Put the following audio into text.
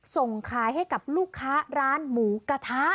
ส่งขายให้กับลูกค้าร้านหมูกระทะ